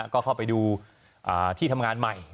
ก็เข้าไปดูที่ทำงานใหม่